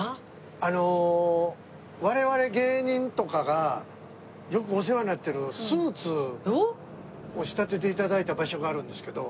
あの我々芸人とかがよくお世話になってるスーツを仕立てて頂いた場所があるんですけど。